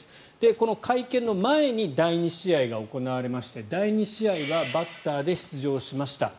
この会見の前に第２試合が行われまして第２試合はバッターで出場しました。